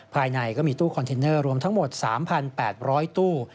ภายในก็มีตู้คอนเทนเนอร์รวมทั้งหมด๓๘๐๐ตู้